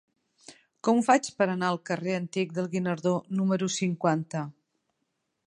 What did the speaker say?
Com ho faig per anar al carrer Antic del Guinardó número cinquanta?